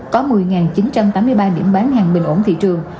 có một mươi chín trăm tám mươi ba điểm bán hàng bình ổn thị trường